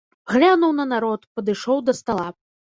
Глянуў на народ, падышоў да стала.